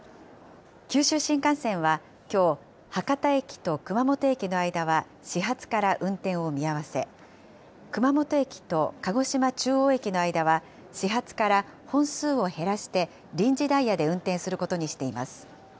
九州新幹線はきょう、博多駅と熊本駅の間は始発から運転を見合わせ、熊本駅と鹿児島中央駅の間は始発から本数を減らして臨時ダイヤで運転することにしています。